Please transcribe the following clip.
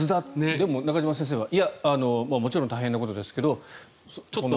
でも、中島先生はもちろん大変なことですけどたまたまだと。